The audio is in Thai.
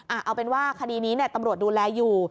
อ่าเอาเป็นว่าคดีนี้เนี่ยตำลวดดูแลอยู่